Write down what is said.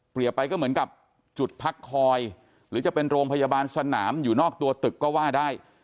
ไปก็เหมือนกับจุดพักคอยหรือจะเป็นโรงพยาบาลสนามอยู่นอกตัวตึกก็ว่าได้